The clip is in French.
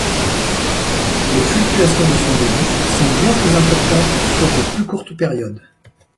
Les fluctuations de son débit sont bien plus importantes sur de plus courtes périodes.